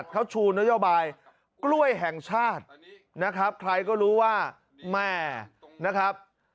กล้วยแห่งชาตินะครับใครก็รู้ว่าแม่นะครับ